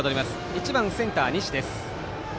１番センター、西です。